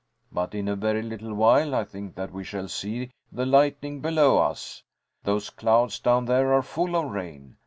But in a very little while I think that we shall see the lightning below us. Those clouds down there are full of rain.